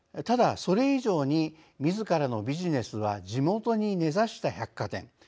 ただ、それ以上にみずからのビジネスは「地元に根ざした百貨店」